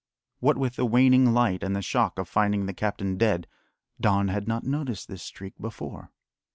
What with the waning light and the shock of finding the captain dead, Don had not noticed this streak before.